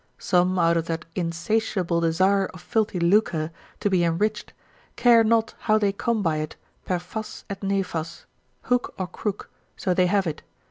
Some out of that insatiable desire of filthy lucre, to be enriched, care not how they come by it per fas et nefas, hook or crook, so they have it.